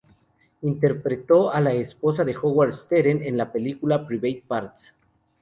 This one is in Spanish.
Interpretó a la esposa de Howard Stern en la película "Private Parts".